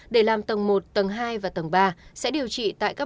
để làm tầng một tầng hai và tầng ba sẽ điều trị tại các bệnh nhân covid một mươi chín